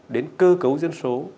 đến cơ cấu dân số